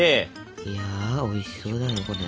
いやおいしそうだねこれ。